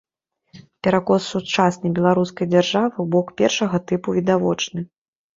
Перакос сучаснай беларускай дзяржавы ў бок першага тыпу відавочны.